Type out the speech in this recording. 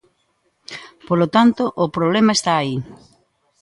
Polo tanto, o problema está aí.